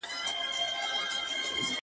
هسي نه چي شوم اثر دي پر ما پرېوزي-